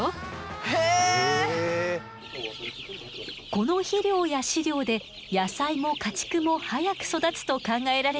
この肥料や飼料で野菜も家畜も早く育つと考えられているわ。